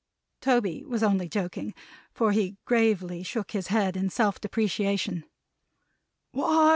Tony was only joking, for he gravely shook his head in self depreciation. "Why!